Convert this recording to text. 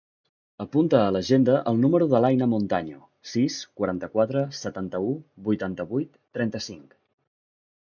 Apunta a l'agenda el número de l'Aina Montaño: sis, quaranta-quatre, setanta-u, vuitanta-vuit, trenta-cinc.